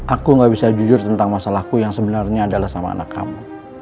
aku gak bisa jujur tentang masalahku yang sebenarnya adalah sama anak kamu